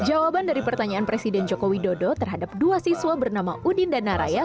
jawaban dari pertanyaan presiden joko widodo terhadap dua siswa bernama udin dan naraya